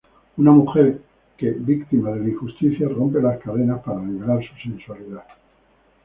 Una mujer que, víctima de la injusticia, rompe las cadenas para liberar su sensualidad.